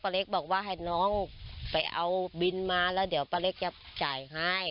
เล็กบอกว่าให้น้องไปเอาบินมาแล้วเดี๋ยวป้าเล็กจะจ่ายให้